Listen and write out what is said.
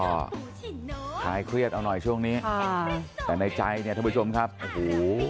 ก็คลายเครียดเอาหน่อยช่วงนี้อ่าแต่ในใจเนี่ยท่านผู้ชมครับโอ้โห